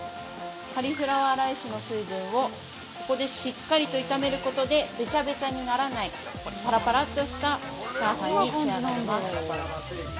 カリフラワーライスの水分をここでしっかりと炒めることでべちゃべちゃにならないパラパラっとしたチャーハンに仕上がります。